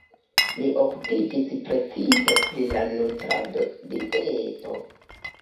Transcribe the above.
Li okupiĝis precipe pri la nutrado-dieto.